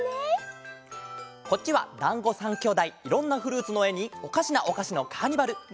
こっちは「だんご３兄弟」いろんなフルーツのえに「おかしなおかしのカーニバル」！